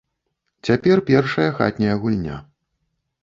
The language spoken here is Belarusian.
Цяпер першая хатняя гульня.